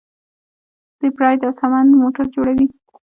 دوی پراید او سمند موټرې جوړوي.